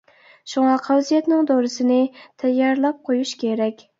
شۇڭا قەۋزىيەتنىڭ دورىسىنى تەييارلاپ قويۇش كېرەك.